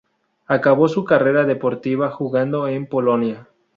Acabó su carrera deportiva jugando en Polonia.